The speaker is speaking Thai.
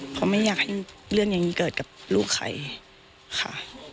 เพราะไม่อยากให้เรื่องอย่างนี้เกิดกับลูกใครค่ะ